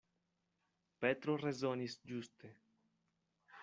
Petro rezonis ĝuste.